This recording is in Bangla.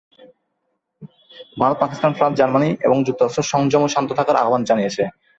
ভারত, পাকিস্তান, ফ্রান্স, জার্মানি এবং যুক্তরাজ্য সংযম ও শান্ত থাকার আহ্বান জানিয়েছে।